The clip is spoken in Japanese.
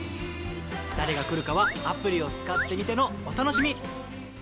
誰が来るかはアプリを使ってみてのお楽しみ。